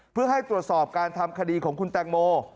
เพื่อให้ตรวจสอบการทำคดีของคุณแตงโม